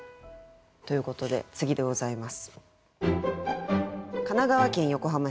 ということで次でございます。